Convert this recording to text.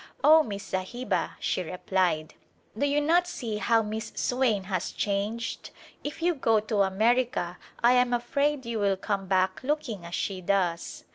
" Oh, Miss Sahiba," she replied, "do you not see how Miss Swain has changed ? If you go to America I am afraid you will come back looking as she does."